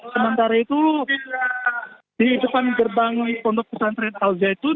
sementara itu di depan gerbang pondok pesantren al zaitun